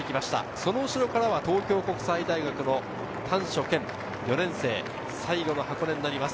その後ろから東京国際大学の丹所健、４年生、最後の箱根になります。